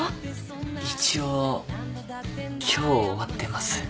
一応「今日」終わってます。